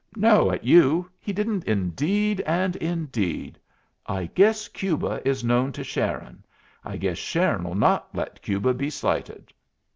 "No at you; he didn't indeed and indeed! I guess Cuba is known to Sharon. I guess Sharon'll not let Cuba be slighted."